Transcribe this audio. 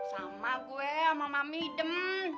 sama gue sama mami dem